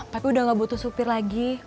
tapi udah gak butuh supir lagi